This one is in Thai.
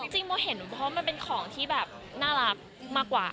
จริงมัวเห็นเพราะว่ามันเป็นของที่น่ารักมากกว่า